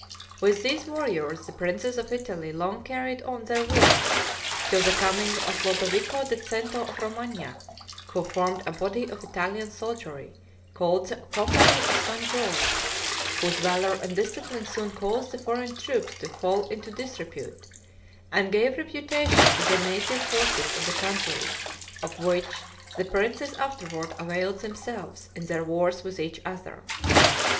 With these warriors the princes of Italy long carried on their wars, till the coming of Lodovico da Cento of Romagna, who formed a body of Italian soldiery, called the Company of St. George, whose valor and discipline soon caused the foreign troops to fall into disrepute, and gave reputation to the native forces of the country, of which the princes afterward availed themselves in their wars with each other.